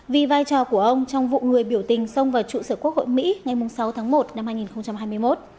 vì vai trò của ông trong vụ người biểu tình xông vào trụ sở quốc hội mỹ ngày sáu tháng một năm hai nghìn hai mươi một